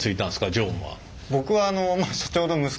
常務は。